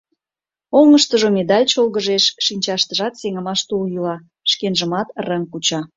Оҥыштыжо медаль чолгыжеш, шинчаштыжат сеҥымаш тул йӱла, шкенжымат рыҥ куча.